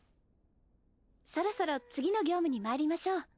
そろそろ次の業務にまいりましょう。